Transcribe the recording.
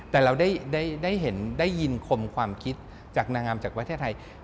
แต่เราได้เห็นได้ยินคมความคิดจากนางงามจากประเทศไทย